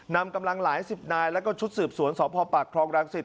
นำกำลังหลายสิบนายแล้วก็ชุดสืบสวนสพปากครองรังสิต